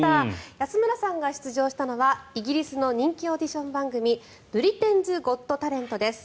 安村さんが出場したのはイギリスの人気オーディション番組「ブリテンズ・ゴット・タレント」です。